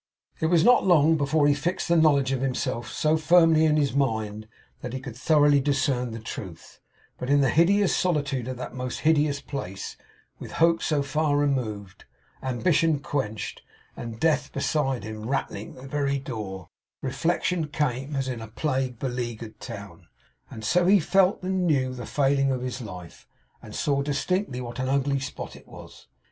It was long before he fixed the knowledge of himself so firmly in his mind that he could thoroughly discern the truth; but in the hideous solitude of that most hideous place, with Hope so far removed, Ambition quenched, and Death beside him rattling at the very door, reflection came, as in a plague beleaguered town; and so he felt and knew the failing of his life, and saw distinctly what an ugly spot it was.